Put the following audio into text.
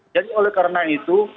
jadi oleh karena itu